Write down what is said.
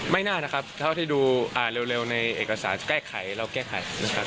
ไม่น่านะครับเท่าที่ดูอ่านเร็วในเอกสารแก้ไขเราแก้ไขนะครับ